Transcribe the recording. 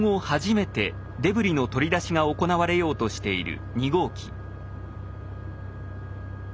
初めてデブリの取り出しが行われようとしている２号機。